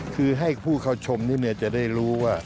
คือให้ผู้เข้าชมจะได้รู้ว่า